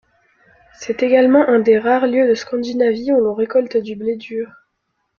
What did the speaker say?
C'est également un des rares lieux de Scandinavie où l'on récolte du blé dur.